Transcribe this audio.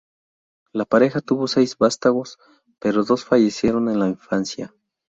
La pareja tuvo seis vástagos, pero dos fallecieron en la infancia.